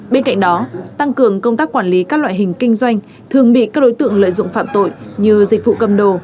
bên cạnh đó tăng cường công tác quản lý các loại hình kinh doanh thường bị các đối tượng lợi dụng phạm tội như dịch vụ cầm đồ